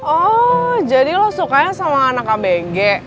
oh jadi lo sukanya sama anak abenge